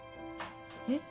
えっ？